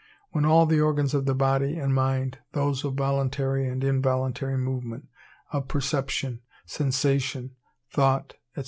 When all the organs of the body and mind,—those of voluntary and involuntary movement, of perception, sensation, thought, &c.